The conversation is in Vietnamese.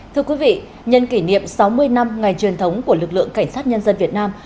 thưa quý vị nhân kỷ niệm sáu mươi năm ngày truyền thống của lực lượng cảnh sát nhân dân việt nam